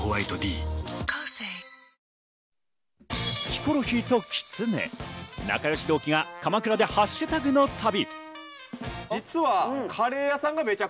ヒコロヒーときつね、仲良し同期が鎌倉でハッシュタグの旅。